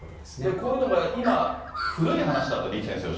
こういうのが今、古い話だと、そうです。